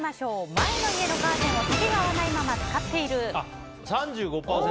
前の家のカーテンを丈が合わないまま使っている３５％。